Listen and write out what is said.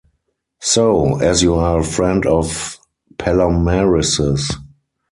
So, as you are a friend of Palomares’...